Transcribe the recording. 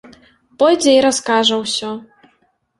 Пойдзе і раскажа ўсё.